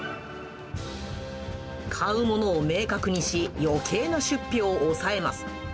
買うものを明確にし、よけいな出費を抑えます。